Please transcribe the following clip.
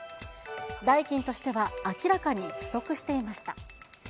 代金としては明らかに不足していました。